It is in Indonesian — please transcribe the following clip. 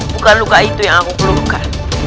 luka luka itu yang aku perlukan